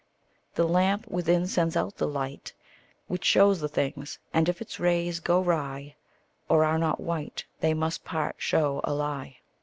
The lamp within sends out the light Which shows the things; and if its rays go wry, Or are not white, they must part show a lie.